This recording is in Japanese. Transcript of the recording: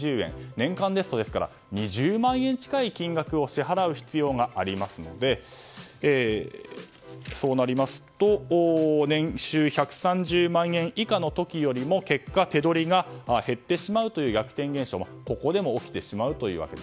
年間ですと２０万円近い金額を支払う必要がありますのでそうなりますと年収１３０万円以下の時よりも結果手取りが減ってしまうという逆転現象がここでも起きてしまうと。